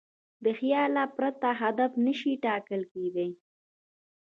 له خیال پرته هدف نهشي ټاکل کېدی.